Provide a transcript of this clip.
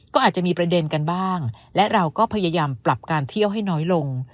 ก็อาจจะมีประเด็นกันบ้างและเราก็พยายามปรับการเที่ยวให้น้อยลง